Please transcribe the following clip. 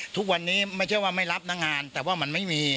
ทุกวันนี้ไม่ใช่ว่าไม่รับนะงานแต่ว่ามันไม่มี